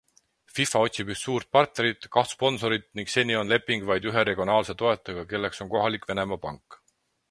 FIFA otsib üht suur partnerit, kaht sponsorit ning seni on leping vaid ühe regionaalse toetajaga, kelleks on kohalik Venemaa pank.